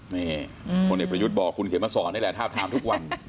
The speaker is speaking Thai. นี่คนเด็กประยุทธบอกคุณเขียนมาสอนให้แหละทาบไทม์ทุกวัน